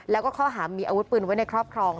แล้วก็ข้อหามีอาวุธปืนไว้ในครอบครอง